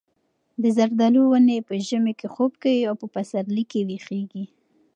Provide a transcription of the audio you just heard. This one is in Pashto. د زردالو ونې په ژمي کې خوب کوي او په پسرلي کې ویښېږي.